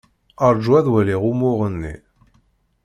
Rju ad waliɣ umuɣ-nni.